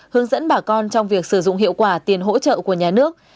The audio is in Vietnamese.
hướng dẫn bà con trong việc sử dụng hiệu quả tiền hỗ trợ của nhà nước